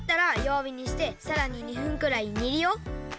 わびにしてさらに２分くらいにるよ。